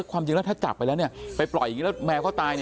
ความจริงแล้วถ้าจับไปแล้วไปปล่อยอย่างนี้แล้วแมวเขาตาย